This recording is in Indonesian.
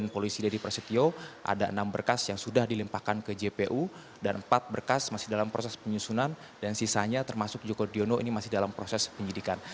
polisi dedy prasetyo ada enam berkas yang sudah dilimpahkan ke jpu dan empat berkas masih dalam proses penyusunan dan sisanya termasuk joko driono ini masih dalam proses penyidikan